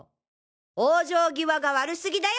往生際が悪すぎだよ